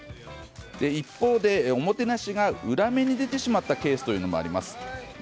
一方でおもてなしが裏目に出てしまったケースもあります。